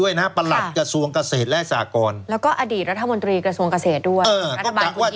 วัฒนาบันตรีกระทรวงเกษตรด้วย